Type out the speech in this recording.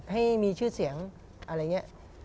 ให้มีชื่อเสียงอะไรเงี้ย